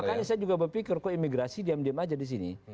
makanya saya juga berpikir kok imigrasi diam diam aja di sini